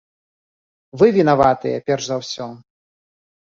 Вы вінаватыя, перш за ўсё!